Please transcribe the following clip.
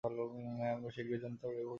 হ্যাঁ, আর আমরা শীঘ্রই জন্তুটাকে খুঁজে পাব।